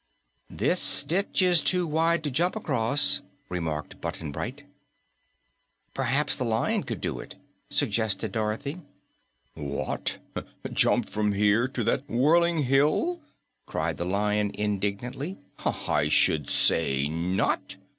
"This ditch is too wide to jump across," remarked Button Bright. "P'raps the Lion could do it," suggested Dorothy. "What, jump from here to that whirling hill?" cried the Lion indignantly. "I should say not!